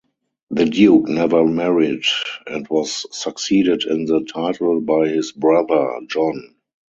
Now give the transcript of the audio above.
The duke never married, and was succeeded in the title by his brother, John.